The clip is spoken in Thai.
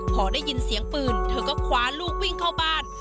พอได้ยินเสียงปืนเธอก็คว้าลูกวิ่งเข้าบ้าน